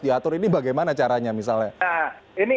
diatur ini bagaimana caranya misalnya ini